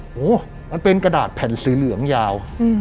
โอ้โหมันเป็นกระดาษแผ่นสีเหลืองยาว